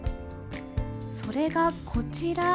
それがこちら。